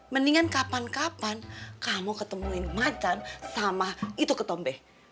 mendingan kapan kapan kamu ketemuin macan sama itu ketombe